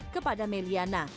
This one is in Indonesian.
kepada may liana